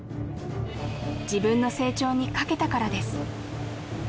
自分の成長にかけたからです